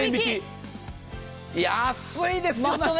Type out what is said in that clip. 安いですよ。